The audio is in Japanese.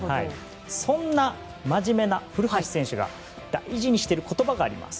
そんな真面目な古橋選手が大事にしている言葉があります。